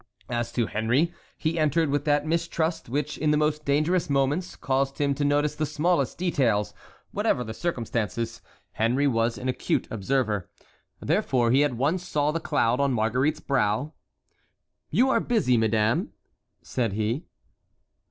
As to Henry, he entered with that mistrust which in the most dangerous moments caused him to notice the smallest details; whatever the circumstances, Henry was an acute observer. Therefore he at once saw the cloud on Marguerite's brow. "You are busy, madame?" said he.